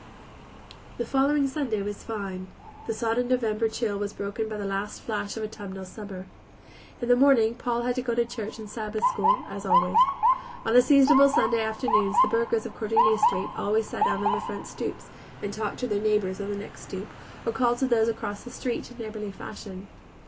The following Sunday was fine; the sodden November chill was broken by the last flash of autumnal summer. In the morning Paul had to go to church and Sabbath school, as always. On seasonable Sunday afternoons the burghers of Cordelia Street always sat out on their front stoops and talked to their neighbors on the next stoop, or called to those across the street in neighborly fashion.